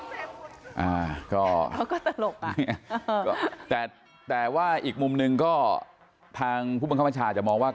แล้วก็ตลกอ่ะแต่ว่าอีกมุมหนึ่งก็ทางผู้บังคัมษาจะมองว่า